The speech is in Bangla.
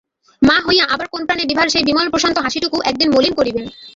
মা হইয়া আবার কোন প্রাণে বিভার সেই বিমল প্রশান্ত হাসিটুকু একতিল মলিন করিবেন!